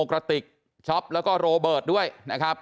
กระติกช็อปแล้วก็โรเบิร์ตด้วยนะครับ